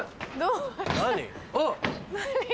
何？